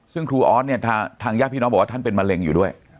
ซึ่งครูออสเนี่ยทางญาติพี่น้องบอกว่าท่านเป็นมะเร็งอยู่ด้วย